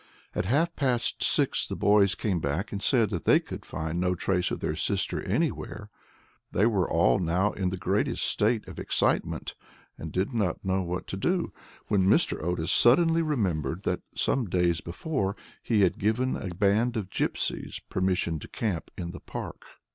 At half past six the boys came back and said that they could find no trace of their sister anywhere. They were all now in the greatest state of excitement, and did not know what to do, when Mr. Otis suddenly remembered that, some few days before, he had given a band of gipsies permission to camp in the park.